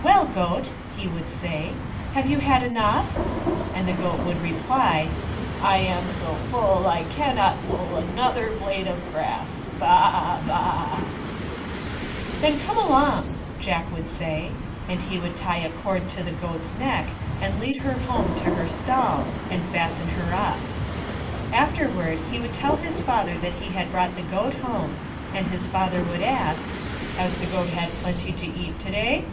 Well^ goat," he would say, " have you had enough?" And the goat would reply, " I am so full I cannot pull Another blade of grass — ba! baa! " THE DONKEY, THE TABLE, AND THE STICK 287 " Then come along," Jack would say, and he would tie a cord to the goat's neck and lead her home to her stall and fasten her up. Afterward he would tell his father that he had brought the goat home, and his father would ask, " Has the goat had plenty to eat to day